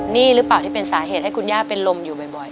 นี่หรือเปล่าที่เป็นสาเหตุให้คุณย่าเป็นลมอยู่บ่อย